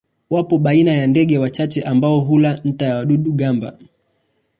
Wapo baina ndege wachache ambao hula nta ya wadudu-gamba.